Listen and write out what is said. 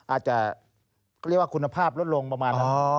อาจจะคุณภาพลดลงประมาณแหละ